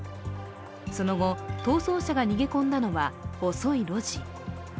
その後、逃走車が逃げ込んだのは細い路地。